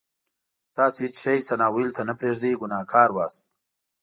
تاسې هېڅ شی ثنا ویلو ته نه پرېږدئ ګناهګار وئ.